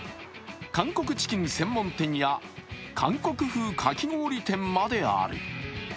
韓国チキン専門店や韓国風かき氷店まである。